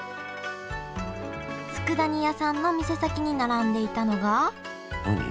つくだ煮屋さんの店先に並んでいたのが何？